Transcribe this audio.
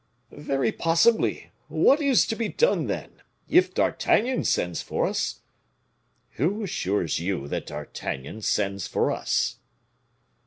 "Very possibly; what is to be done, then? If D'Artagnan sends for us " "Who assures you that D'Artagnan sends for us?"